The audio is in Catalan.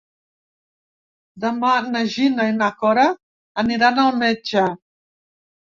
Demà na Gina i na Cora aniran al metge.